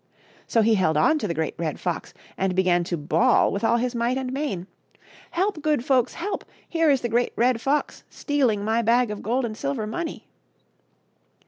So he held on to the Great Red Fox and began to bawl with all his might and main, '' Help, good folks ! help ! here is the Great Red Fox stealing my bag of gold and silver money